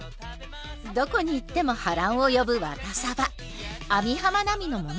どこに行っても波乱を呼ぶワタサバ網浜奈美の物語。